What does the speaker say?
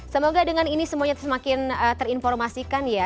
semoga dengan ini semuanya semakin terinformasikan ya